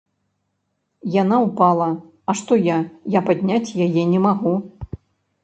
Яна ўпала, а што я, я падняць яе не магу.